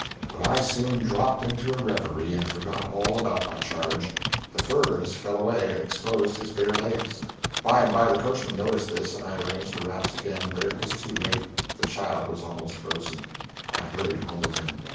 But I soon dropped into a reverie and forgot all about my charge. The furs fell away and exposed his bare legs. By and by the coachman noticed this, and I arranged the wraps again, but it was too late. The child was almost frozen. I hurried home with him.